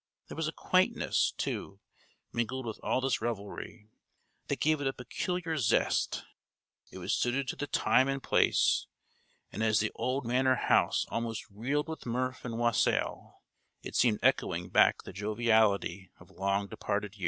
There was a quaintness, too, mingled with all this revelry, that gave it a peculiar zest; it was suited to the time and place; and as the old Manor House almost reeled with mirth and wassail, it seemed echoing back the joviality of long departed years.